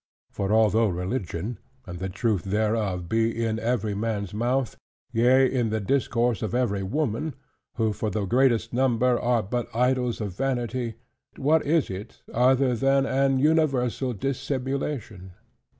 For although religion, and the truth thereof be in every man's mouth, yea, in the discourse of every woman, who for the greatest number are but idols of vanity: what is it other than an universal dissimulation?